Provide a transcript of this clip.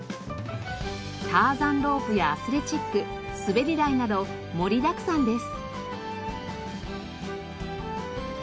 ターザンロープやアスレチック滑り台など盛りだくさんです。